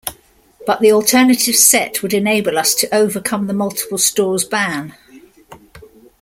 But the alternative set would enable us to overcome the multiple stores' ban.